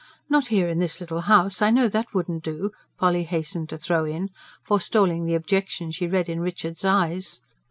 "Not here, in this little house I know that wouldn't do," Polly hastened to throw in, forestalling the objection she read in Richard's eyes.